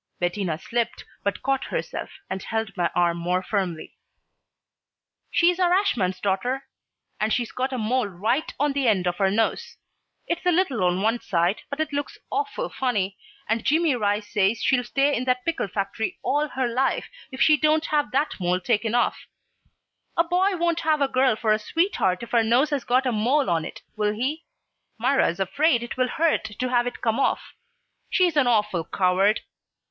Bettina slipped, but caught herself, and held my arm more firmly. "She's our ashman's daughter, and she's got a mole right on the end of her nose. It's a little on one side, but it looks awful funny, and Jimmie Rice says she'll stay in that pickle factory all her life if she don't have that mole taken off. A boy won't have a girl for a sweetheart if her nose has got a mole on it, will he? Myra is afraid it will hurt to have it come off. She's an awful coward.